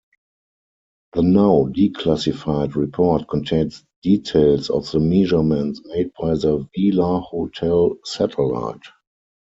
The now-declassified report contains details of the measurements made by the Vela Hotel satellite.